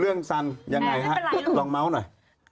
เรื่องซันยังไงฮะลองเม้าส์หน่อย